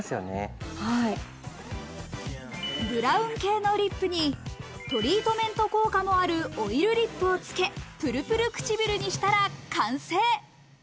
ブラウン系のリップにトリートメント効果もあるオイルリップをつけ、ぷるぷる唇にしたら完成。